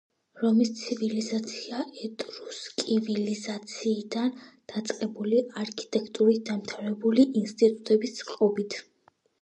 რომის ცივილიზაცია ეტრუსკი–ცივილიზაციდან დაწყებული არქიტექტურით დამთავრებული ინსტიტუტების წყობით.